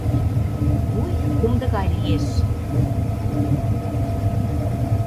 Вуй комдо гай лиеш.